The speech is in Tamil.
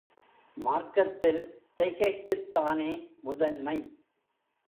மார்க்கத்தில் செய்கைக்குத்தானே முதன்மை.